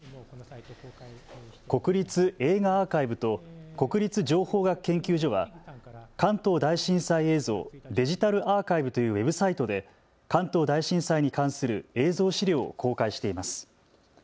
国立映画アーカイブと国立情報学研究所は関東大震災映像デジタルアーカイブというウェブサイトで関東大震災に関する映像資料を公開しています。